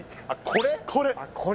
これ？